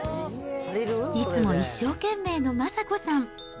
いつも一生懸命の昌子さん。